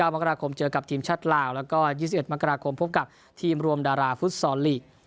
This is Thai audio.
มกราคมเจอกับทีมชาติลาวแล้วก็๒๑มกราคมพบกับทีมรวมดาราฟุตซอลลีก